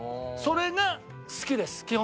それが好きです